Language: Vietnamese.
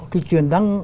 cái chuyển đăng